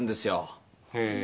へえ。